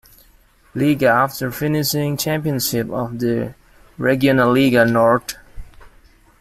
Liga after finishing champions of the Regionalliga Nord.